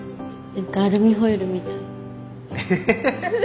アルミホイルみたい。